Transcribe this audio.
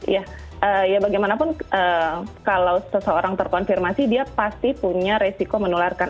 ya ya bagaimanapun kalau seseorang terkonfirmasi dia pasti punya resiko menularkan